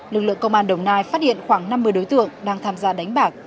lực lượng công an đồng nai phát hiện khoảng năm mươi đối tượng đang tham gia đánh bạc